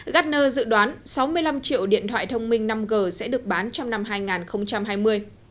gartner dự đoán sáu mươi năm triệu điện thoại thông minh năm g sẽ được bán trong năm hai nghìn hai mươi